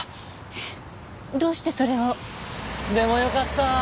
えっどうしてそれを？でもよかった！